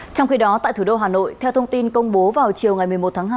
trong khi đó tại thủ đô hà nội theo thông tin công bố vào chiều ngày một mươi một tháng hai